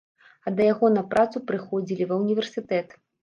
А да яго на працу прыходзілі, ва ўніверсітэт.